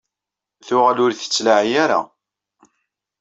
Tuɣal ur iyi-tettlaɛi ara.